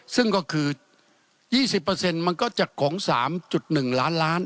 ซึ่งก็คือ๒๐มันก็จะกง๓๑ล้านล้าน